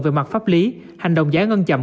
về mặt pháp lý hành động giả ngân chậm